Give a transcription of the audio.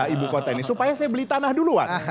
ibu kota ini supaya saya beli tanah duluan